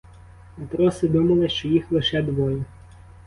Матроси думали, що їх лише двоє.